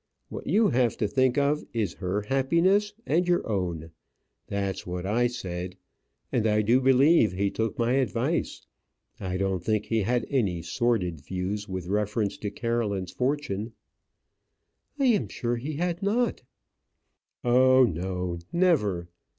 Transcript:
What you have to think of, is her happiness and your own. That's what I said; and I do believe he took my advice. I don't think he had any sordid views with reference to Caroline's fortune." "I am sure he had not." "Oh, no, never.